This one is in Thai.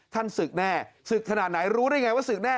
ท่านศึกแน่ศึกขนาดไหนรู้ได้อย่างไรว่าศึกแน่